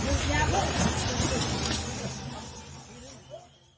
โอ๊ยมันตาย